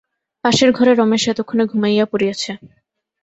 পাশের ঘরে রমেশ এতক্ষণে ঘুমাইয়া পড়িয়াছে।